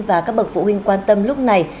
và các bậc phụ huynh quan tâm lúc này